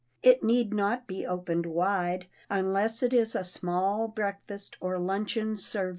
It need not be opened wide, unless it is a small breakfast or luncheon serviette.